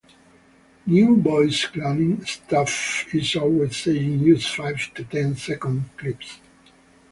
New voice cloning stuff is always saying use five to ten second clips